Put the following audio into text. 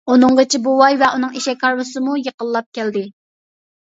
ئۇنىڭغىچە بوۋاي ۋە ئۇنىڭ ئېشەك ھارۋىسىمۇ يېقىنلاپ كەلدى.